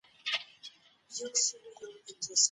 تاسو ولي نيک اعمال نه کوئ؟